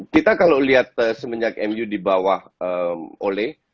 kita kalau lihat semenjak mu di bawah ole